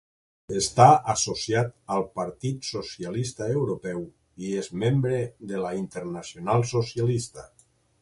Està associat al Partit Socialista Europeu i és membre de la Internacional Socialista.